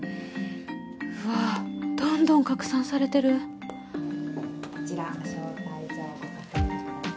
うわどんどん拡散されてるこちら招待状ご確認ください